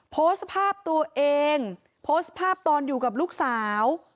โพสต์ภาพตัวเองโพสต์ภาพตอนอยู่กับลูกสาว